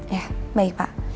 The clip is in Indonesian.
ya baik pa